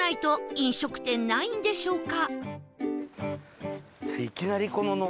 飲食店ないんでしょうか？